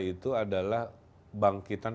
itu adalah bangkitan